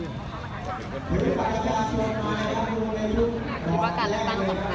เห็นว่าการเลือกตั้งสำคัญไปได้มั้ยคะ